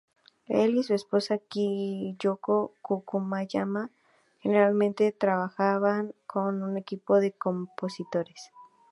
Él y su esposa, Kyoko Fukuyama, generalmente trabajan como un equipo de compositores.